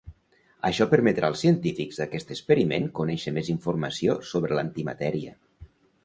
Això permetrà als científics d'aquest experiment conèixer més informació sobre l'antimatèria.